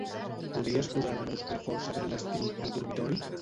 Podries posar-nos "La força d'un destí" al dormitori?